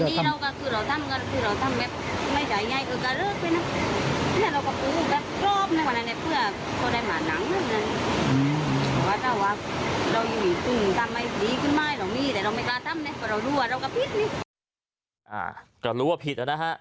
้าะก็รู้ว่าผิดแล้วนะฮะ